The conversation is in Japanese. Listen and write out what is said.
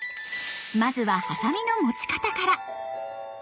まずはハサミの持ち方から。